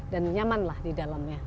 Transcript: dan nyaman lah di dalamnya